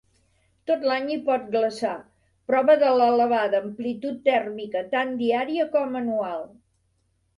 Tot l'any hi pot glaçar, prova de l'elevada amplitud tèrmica tant diària com anual.